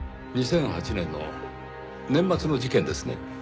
２００８年の年末の事件ですね？